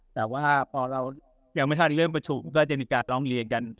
แต่ว่าพอเรายังไม่ทันเริ่มประชุมก็จะมีการร้องเรียนกัน